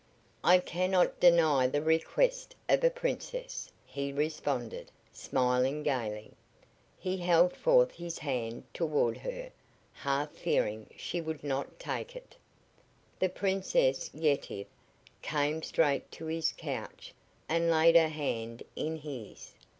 "I cannot deny the request of a princess," he responded, smiling gaily. He held forth his hand toward her, half fearing she would not take it. The Princess Yetive came straight to his couch and laid her hand in his.